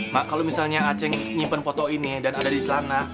mak kalau misalnya aceh nyimpen foto ini dan ada di sana